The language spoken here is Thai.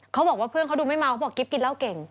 เขาบอกว่าเพื่อนเขาดูไม่เมาเขาบอกกิ๊บกินเหล้าเก่ง